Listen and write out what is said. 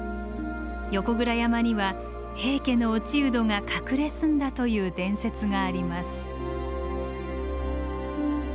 横倉山には平家の落人が隠れ住んだという伝説があります。